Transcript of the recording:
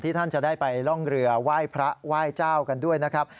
ที่ท่านจะไปร่องเรือว่ายพระว่ายเจ้ากันด้วยนะครับ